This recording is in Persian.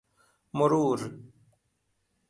مرور